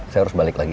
saya harus balik lagi